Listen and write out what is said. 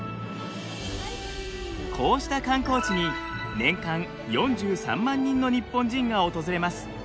こうした観光地に年間４３万人の日本人が訪れます。